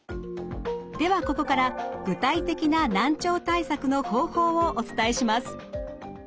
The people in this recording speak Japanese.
ではここから具体的な難聴対策の方法をお伝えします。